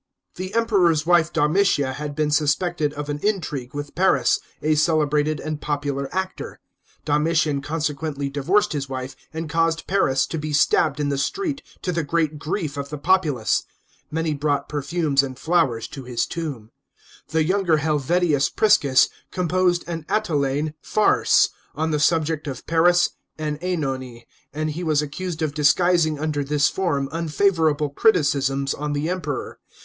The Emperor's wife Domitia had been suspected of an intrigue with Paris, a celebrated and popular actor.* Donritian consequently divorced his wife and caused Paris to be stabbed in the street, to the great grief of the populace. Many brought perfumes and flowers to his tomb. The younger Helvidius Prisons composed an Atellnne farce on the subject of Paris and (Enone, and he was accused of disguising under this form unfavourable criticisms on the Emperor.